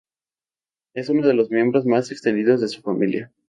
Es uno de los miembros más extendidos de su familia.